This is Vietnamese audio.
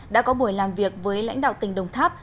đã có buổi làm việc với lãnh đạo tỉnh đồng tháp